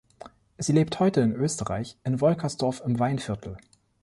Sie lebt heute in Österreich, in Wolkersdorf im Weinviertel.